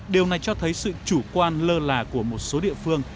điều này cho thấy sự chủ quan lơ là của một số địa phương